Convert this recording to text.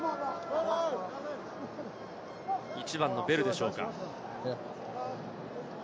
１番のベルでしょうか。